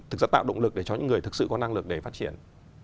thực ra tạo động lực để cho những người thực sự có năng lực để phát triển